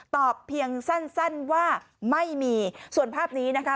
ตอบเพียงสั้นว่าไม่มีส่วนภาพนี้นะคะ